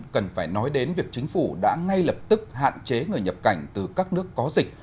cần phải nói đến việc chính phủ đã ngay lập tức hạn chế người nhập cảnh từ các nước có dịch